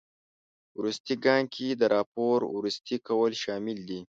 وروستي ګام کې د راپور وروستي کول شامل دي.